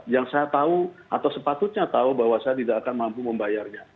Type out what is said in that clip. yang saya tahu atau sepatutnya tahu bahwa saya tidak akan mampu membayarnya